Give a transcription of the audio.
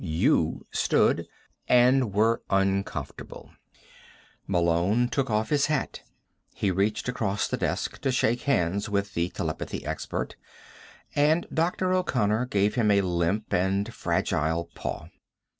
You stood, and were uncomfortable. Malone took off his hat. He reached across the desk to shake hands with the telepathy expert, and Dr. O'Connor gave him a limp and fragile paw.